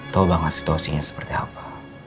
tahu banget situasinya seperti apa